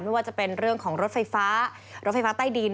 ไม่ว่าจะเป็นเรื่องของรถไฟฟ้ารถไฟฟ้าใต้ดิน